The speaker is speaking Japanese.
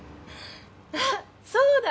あっそうだ。